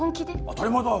当たり前だ！